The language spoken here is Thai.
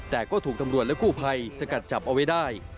แต่ก็ถูกตำรวจและกู้ภัยสกัดจับเอาไว้ได้